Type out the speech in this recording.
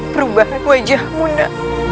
pada saat hal ini